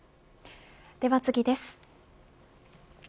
では次です。